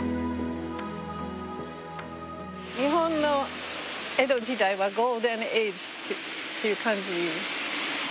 日本の江戸時代はゴールデンエイジっていう感じ。